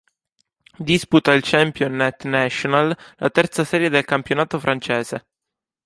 Disputa il Championnat National, la terza serie del campionato francese.